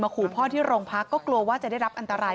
ขู่พ่อที่โรงพักก็กลัวว่าจะได้รับอันตราย